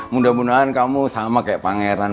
mudah mudahan kamu sama kayak pangeran